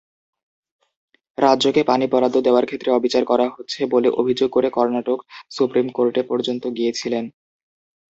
রাজ্যকে পানি বরাদ্দ দেওয়ার ক্ষেত্রে অবিচার করা হচ্ছে বলে অভিযোগ করে কর্ণাটক সুপ্রিম কোর্টে পর্যন্ত গিয়েছিল।